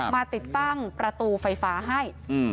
มาติดตั้งประตูไฟฟ้าให้